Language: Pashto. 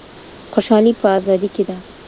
خوشحالي په ازادۍ کي ده.